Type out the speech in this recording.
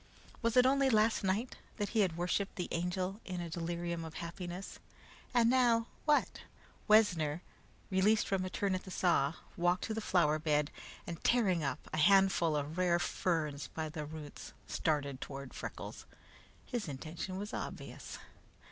Was it only last night that he had worshiped the Angel in a delirium of happiness? And now, what? Wessner, released from a turn at the saw, walked to the flower bed, and tearing up a handful of rare ferns by the roots, started toward Freckles. His intention was obvious.